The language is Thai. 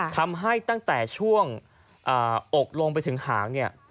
ทำให้ตั้งแต่ช่วงอกลงไปถึงหางเนี่ย